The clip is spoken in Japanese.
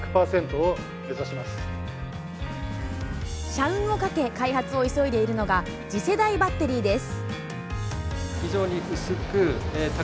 社運を懸け開発を急いでいるのが次世代バッテリーです。